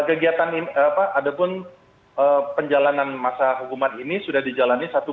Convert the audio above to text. kegiatan ini apa adapun penjalanan masa hukuman ini sudah dijalani